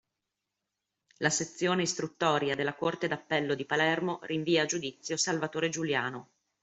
La sezione istruttoria della Corte d'appello di Palermo rinvia a giudizio Salvatore Giuliano